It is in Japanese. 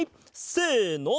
せの！